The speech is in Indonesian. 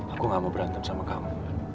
aku gak mau berantem sama kamu